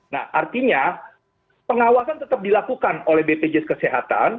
nah artinya pengawasan tetap dilakukan oleh bpjs kesehatan